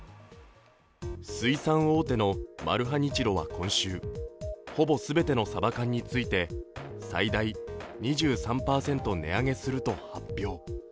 水産大手のマルハニチロは今週ほぼ全てのサバ缶について、最大２３値上げすると発表。